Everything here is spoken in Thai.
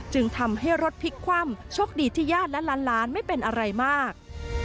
จึงทำให้รถพลิกคว่ำโชคดีที่ญาติและล้านไม่เป็นอะไรมาก